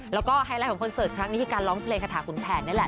แล้วก็ไฮไลท์ของคอนเสิร์ตครั้งนี้คือการร้องเพลงคาถาขุนแผนนี่แหละ